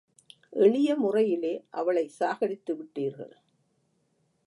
எளிய முறையிலே அவளைச் சாகடித்து விட்டீர்கள்.